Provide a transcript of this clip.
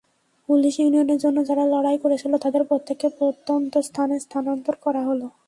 Police ইউনিয়নের জন্য যারা লড়াই করেছিল তাদের প্রত্যেককে প্রত্যন্ত স্থানে স্থানান্তর করা হলো।